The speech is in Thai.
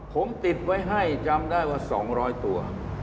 ผมติดไว้ให้จำได้ว่า๒๐๐ตัว